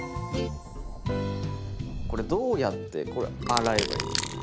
どうやってこれ洗えばいいんですか？